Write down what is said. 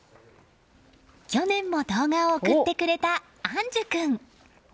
去年も動画を送ってくれた安珠君。